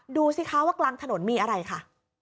ดูขัวใกล้ถนนมีอะไรคะ